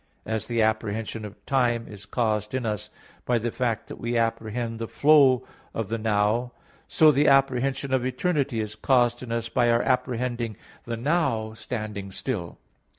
As the apprehension of time is caused in us by the fact that we apprehend the flow of the "now," so the apprehension of eternity is caused in us by our apprehending the "now" standing still.